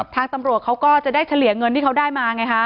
ทางตำรวจเขาก็จะได้เฉลี่ยเงินที่เขาได้มาไงฮะ